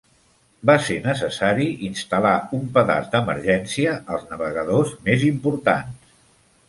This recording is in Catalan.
Va ser necessari instal·lar un pedaç d'emergència als navegadors més importants.